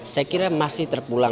saya kira masih terpulang